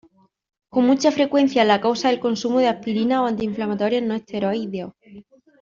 Con mucha frecuencia la causa es el consumo de aspirina o antiinflamatorios no esteroideos.